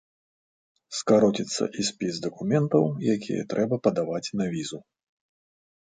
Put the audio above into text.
Скароціцца і спіс дакументаў, якія трэба падаваць на візу.